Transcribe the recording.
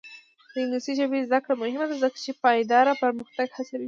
د انګلیسي ژبې زده کړه مهمه ده ځکه چې پایداره پرمختګ هڅوي.